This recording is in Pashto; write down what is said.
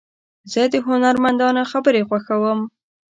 زه د هنرمندانو خبرې خوښوم.